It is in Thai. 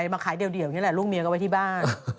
มาขายเดี่ยวนี่แหละลูกเมียก็ไว้ที่บ้าน